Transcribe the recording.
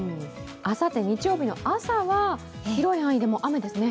あさって日曜日の朝は広い範囲で雨ですね。